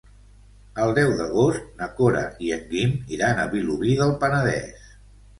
El deu d'agost na Cora i en Guim iran a Vilobí del Penedès.